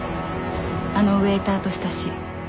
あのウエーターと親しい。